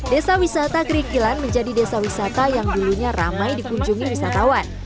desa wisata kerikilan menjadi desa wisata yang dulunya ramai dikunjungi wisatawan